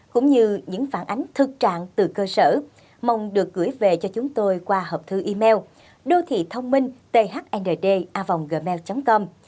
cũng như những phản ánh thực trạng từ cơ sở mong được gửi về cho chúng tôi qua hộp thư email đothithongminhthnddavonggmail com